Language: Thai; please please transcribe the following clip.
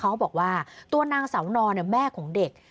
เขาบอกว่าตัวนางเสานอนแม่ของเด็ก